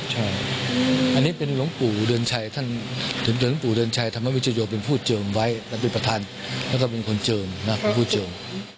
ใช่อันนี้เป็นหลวงปู่เดือนชัยหลวงปู่เดือนชัยทำให้วิจิโยคเป็นผู้เจิมไว้และเป็นประธานและก็เป็นผู้เจิม